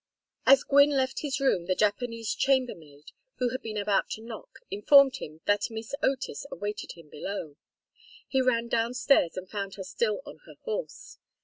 As Gwynne left his room the Japanese "chambermaid," who had been about to knock, informed him that Miss Otis awaited him below. He ran down stairs and found her still on her horse.